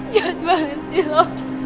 jahat banget sih lo